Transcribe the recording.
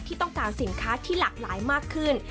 ที่ต้องการสินค้าที่หลากหลายมากขึ้น